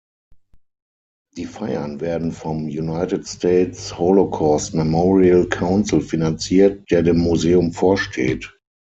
Die Feiern werden vom "United States Holocaust Memorial Council" finanziert, der dem Museum vorsteht.